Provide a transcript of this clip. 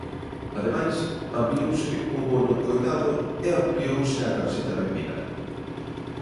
Ademais, ampliouse o bono coidado e ampliouse a tarxeta benvida.